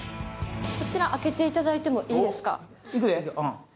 こちら開けていただいてもいいですか。